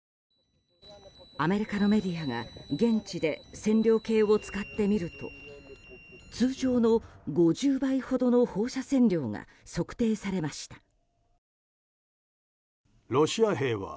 アメリカのメディアが現地で線量計を使ってみると通常の５０倍ほどの放射線量が測定されました。